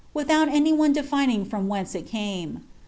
without any one defining front whence it rame.